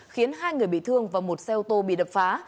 khiến hai người bị thương và một xe ô tô bị đập phá